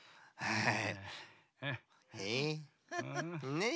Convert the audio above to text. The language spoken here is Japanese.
ねえ。